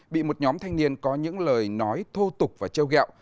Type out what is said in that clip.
bị một nhóm thanh niên có những lời nói thô tục và treo gẹo